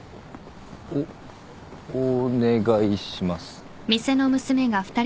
おお願いします。